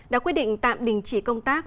đã quyết định tạm đình chỉ công tác